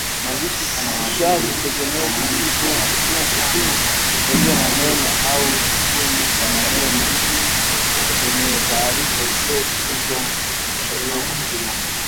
Kishazi tegemezi ni utungo ulio na neno au kikundi cha maneno chenye taarifa isiyojitosheleza